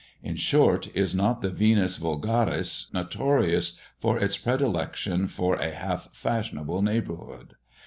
In short, is not the Venus vulgaris notorious for its predilection for a half fashionable neighbourhood!